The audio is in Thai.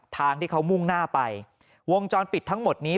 ทางที่เขามุ่งหน้าไปวงจรปิดทั้งหมดนี้